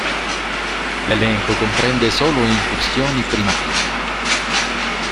L'elenco comprende solo incursioni primarie.